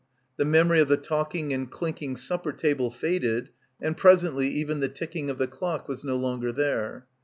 The memory of the talking and clinking supper table faded, and pres ently even the ticking of the clock was no longer there.